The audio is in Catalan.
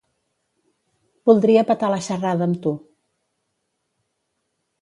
Voldria petar la xerrada amb tu.